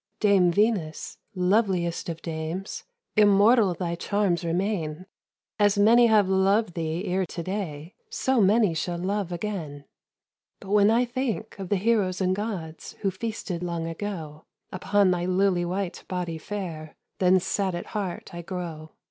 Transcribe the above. "Dame Venus, loveliest of dames, Immortal thy charms remain. As many have loved thee ere to day, So many shall love again. "But when I think of the heroes and gods, Who feasted long ago, Upon thy lily white body fair, Then sad at heart I grow.